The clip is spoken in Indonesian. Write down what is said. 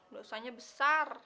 dosa nya besar